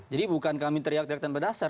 jadi bukan kami teriak teriak tanpa dasar